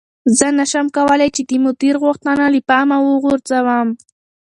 زه نشم کولی چې د مدیر غوښتنه له پامه وغورځوم.